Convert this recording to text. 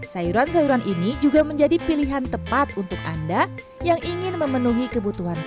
sayuran sayuran ini juga menjadi pilihan tepat untuk anda yang ingin memenuhi kebutuhan